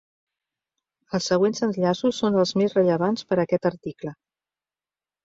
Els següents enllaços són els més rellevants per a aquest article.